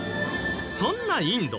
そんなインド